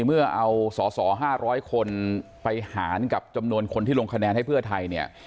เมื่อเอาสอสอ๕๐๐คนไปหารกับจำนวนคนที่ลงคะแนนให้เพื่อไทยเนี่ย